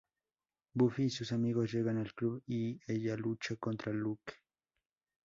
Buffy y sus amigos llegan al club y ella lucha contra Luke.